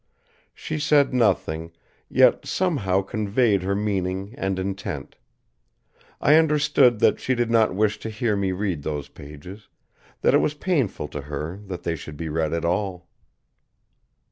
She said nothing, yet somehow conveyed her meaning and intent. I understood that she did not wish to hear me read those pages; that it was painful to her that they should be read at all.